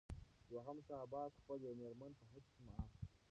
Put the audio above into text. دوهم شاه عباس خپله یوه مېرمن په حج کې معاف کړه.